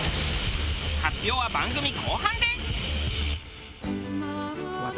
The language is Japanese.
発表は番組後半で。